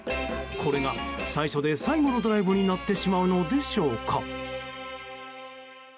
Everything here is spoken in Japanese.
これが、最初で最後のドライブになってしまうのでしょうか。